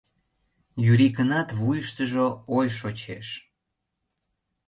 — Юрикынат вуйыштыжо ой шочеш.